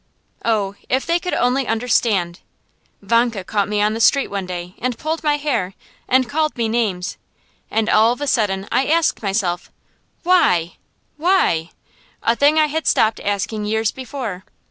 Oh, if they could only understand! Vanka caught me on the street one day, and pulled my hair, and called me names; and all of a sudden I asked myself why why? a thing I had stopped asking years before.